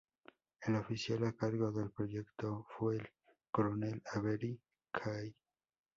El oficial a cargo del proyecto fue el coronel Avery Kay.